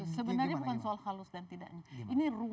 sebenarnya bukan soal halus dan tidak halus